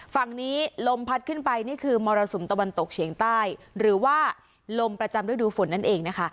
ฝั่งนี้ลมพัดขึ้นไปนี่คือมรสุมตะวันตกเฉียงใต้หรือว่าลมประจำฤดูฝนนั่นเองนะคะ